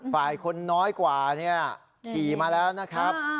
ฝ่ายคนน้อยกว่าเนี่ยขี่มาแล้วนะครับ